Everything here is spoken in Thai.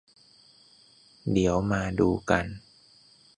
เดี๋ยวมาดูกัน